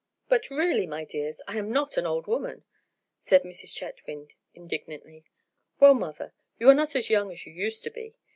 "But, really, my dears, I am not an old woman," said Mrs. Chetwynd indignantly. "Well, mother, you are not as young as you used to be.